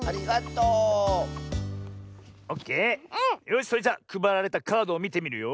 よしそれじゃくばられたカードをみてみるよ。